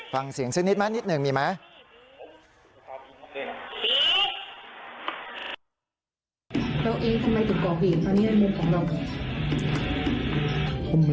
ฟังเสียงซึ่งนิดนึงมีไหม